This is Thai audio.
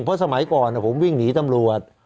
เพราะสมัยก่อนผมวิ่งหนีตำรวจ